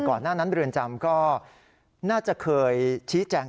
หน้านั้นเรือนจำก็น่าจะเคยชี้แจง